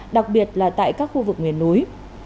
đặc biệt là tại các khu vực nguyên núi